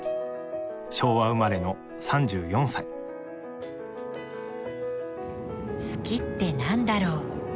昭和生まれの３４歳「好き」って何だろう？